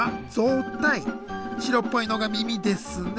白っぽいのが耳ですね。